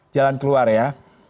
jalan keluar ya